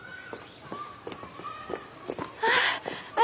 ああ！